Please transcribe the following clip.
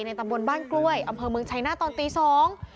ตำบลบ้านกล้วยอำเภอเมืองชัยหน้าตอนตีสอง